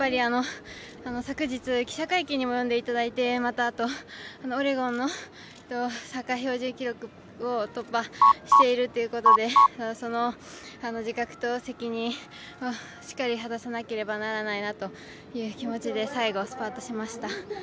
昨日、記者会見にも呼んでいただいてまた、オレゴンの参加標準記録を突破しているということで自覚と責任をしっかり果たさなければならないなという気持ちで最後、スパートしました。